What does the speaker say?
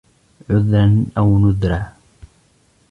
عُذْرًا أَوْ نُذْرًا